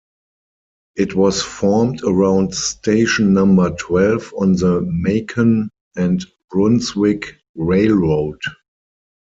It was formed around station number twelve on the Macon and Brunswick Railroad.